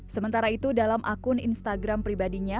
sementara itu dalam akun instagram pribadinya